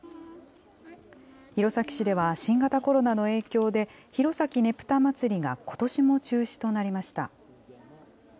弘前市では、新型コロナの影響で、弘前ねぷたまつりがことしも中止となりました。